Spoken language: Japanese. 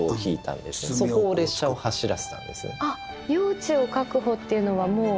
あっ用地を確保っていうのはもう。